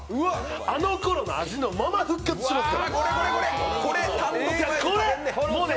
あのころの味のまま復活しました。